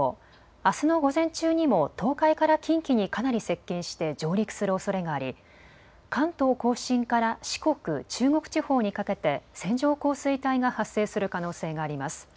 あすの午前中にも東海から近畿にかなり接近して上陸するおそれがあり、関東甲信から四国、中国地方にかけて線状降水帯が発生する可能性があります。